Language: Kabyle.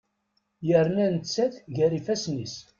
Yerna nettat gar ifasen-is.